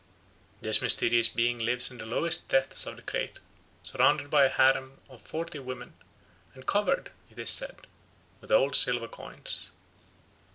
This mysterious being lives in the lowest depths of the crater, surrounded by a harem of forty women, and covered, it is said, with old silver coins.